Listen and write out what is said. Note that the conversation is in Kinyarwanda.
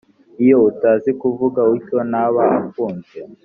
iyo utaza kuvuga utyo ntaba afunzwe